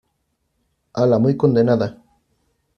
a la muy condenada.